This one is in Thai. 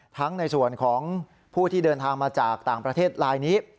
ในส่วนของผู้ที่เดินทางมาจากต่างประเทศลายนี้